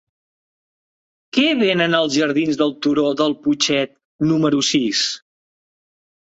Què venen als jardins del Turó del Putxet número sis?